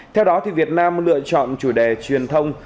theo đó việt nam lựa chọn chủ đề truyền thông